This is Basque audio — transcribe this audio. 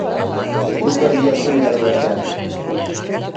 Zeruko Argia zen garai batean.